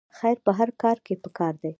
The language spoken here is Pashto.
خیر په هر کار کې پکار دی